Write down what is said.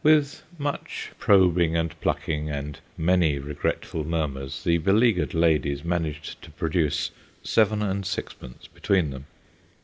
With much probing and plucking and many regretful murmurs the beleaguered ladies managed to produce seven and sixpence between them.